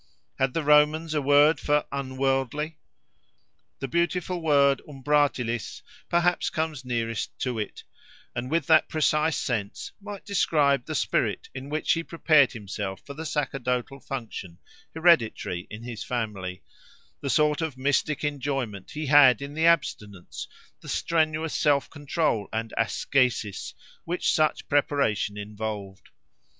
Had the Romans a word for unworldly? The beautiful word umbratilis perhaps comes nearest to it; and, with that precise sense, might describe the spirit in which he prepared himself for the sacerdotal function hereditary in his family—the sort of mystic enjoyment he had in the abstinence, the strenuous self control and ascêsis, which such preparation involved.